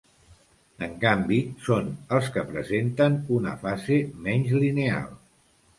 En canvi són els que presenten una fase menys lineal.